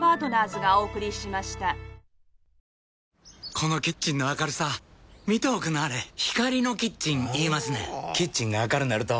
このキッチンの明るさ見ておくんなはれ光のキッチン言いますねんほぉキッチンが明るなると・・・